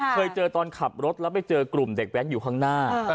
เคยเจอตอนขับรถแล้วไปเจอกลุ่มเด็กแว้นอยู่ข้างหน้า